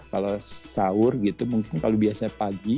kalau sahur gitu mungkin kalau biasanya pagi